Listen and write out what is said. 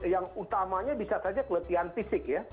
yang utamanya bisa saja keletihan fisik ya